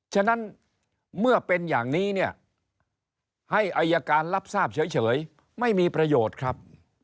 ฉะนั้นเมื่อเป็นอย่างนี้เนี่ยให้อายการรับทราบเฉยไม่มีประโยชน์ครับ